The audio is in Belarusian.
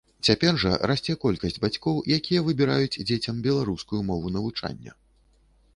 Цяпер жа расце колькасць бацькоў, якія выбіраюць дзецям беларускую мову навучання.